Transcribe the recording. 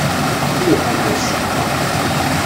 Ih, a Mass!